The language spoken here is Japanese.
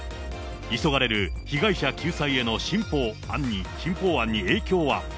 急がれる被害者救済への新法案に影響は。